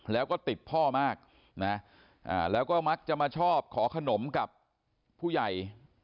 แล้วก็ติดพ่อมากนะแล้วก็มักจะมาชอบขอขนมกับผู้ใหญ่